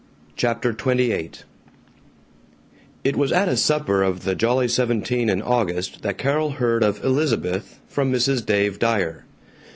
CHAPTER XXVIII IT WAS at a supper of the Jolly Seventeen in August that Carol heard of "Elizabeth," from Mrs. Dave Dyer.